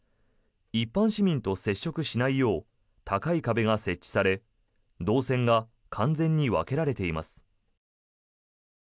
一般市民と接触しないよう高い壁が設置され動線が完全に分けられています。